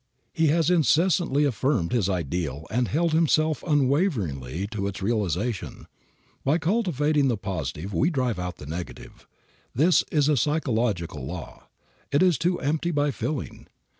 He has incessantly affirmed his ideal and held himself unwaveringly to its realization. By cultivating the positive we drive out the negative. This is a psychological law. It is to "empty by filling."